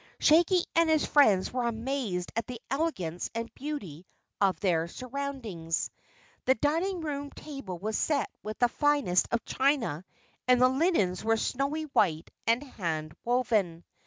Shaggy and his friends were amazed at the elegance and beauty of their surroundings. The dining room table was set with the finest of china and the linens were snowy white and hand woven.